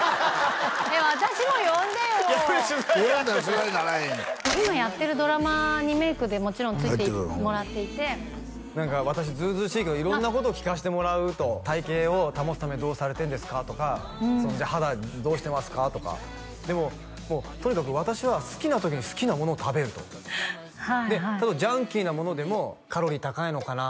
私も呼んでよ呼んだら取材ならへんやん今やってるドラマにメイクでもちろんついてもらっていて何か私図々しいけど色んなことを聞かせてもらうと体型を保つためにどうされてるんですかとか肌どうしてますかとかでももうとにかく私は好きな時に好きなものを食べるとでジャンキーなものでもカロリー高いのかな？